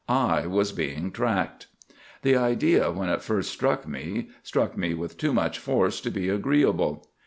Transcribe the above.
I was being tracked! "The idea, when it first struck me, struck me with too much force to be agreeable.